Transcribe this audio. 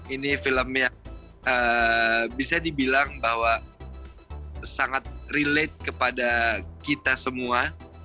ini film yang bisa dibilang bahwa sangat relate kepada kita semua